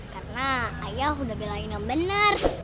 karena ayah udah belai yang benar